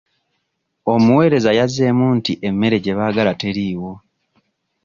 Omuweereza yazzeemu nti emmere gye baagala teriiwo.